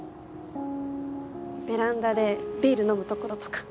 ベランダでビール飲むところとか。